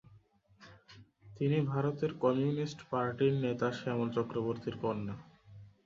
তিনি ভারতের কমিউনিস্ট পার্টির নেতা শ্যামল চক্রবর্তীর কন্যা।